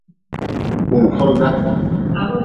Kunfurga.